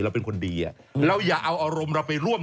เราเป็นคนดีเราอย่าเอาอารมณ์เราไปร่วม